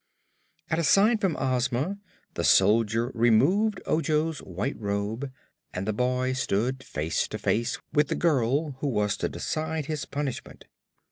At a sign from Ozma the soldier removed Ojo's white robe and the boy stood face to face with the girl who was to decide his punishment.